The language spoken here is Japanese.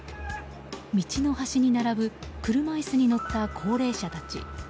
道の端に並ぶ車椅子に乗った高齢者たち。